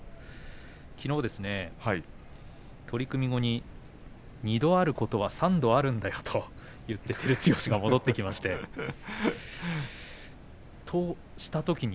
きのう、取組後に２度あることは３度あるんだよと言って照強が戻ってきました。